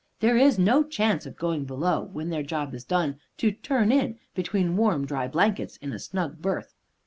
There is no chance of going below when their job is done, to "turn in" between warm, dry blankets in a snug berth.